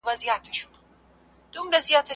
مڼه خوړل ډاکټر لرې ساتي؟